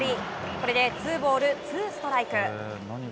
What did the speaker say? これでツーボールツーストライク。